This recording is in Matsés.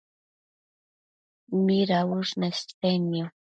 midauësh nestednio?